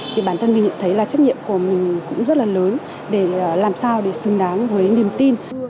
thì bản thân mình nhận thấy là trách nhiệm của mình cũng rất là lớn để làm sao để xứng đáng với niềm tin